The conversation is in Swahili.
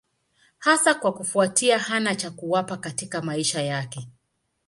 Hasa kwa kufuatia hana cha kuwapa katika maisha yake.